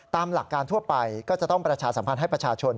ตามหลักการทั่วไปก็จะต้องประชาสัมพันธ์ให้ประชาชน